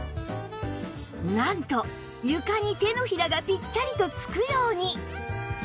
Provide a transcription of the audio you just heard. なんと床に手のひらがピッタリとつくように！